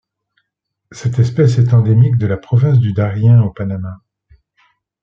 Cette espèce est endémique de la province du Darien au Panama.